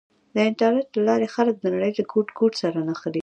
د انټرنېټ له لارې خلک د نړۍ له ګوټ ګوټ سره نښلي.